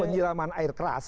penyiraman air keras